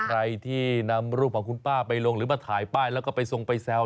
ใครที่นำรูปของคุณป้าไปลงหรือมาถ่ายป้ายแล้วก็ไปทรงไปแซว